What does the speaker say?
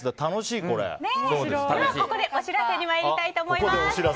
ここでお知らせに参りたいと思います。